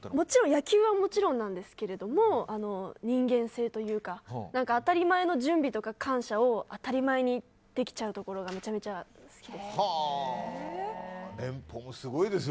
野球はもちろんですが人間性というか当たり前の準備とか感謝を当たり前にできちゃうところがめちゃめちゃ好きです。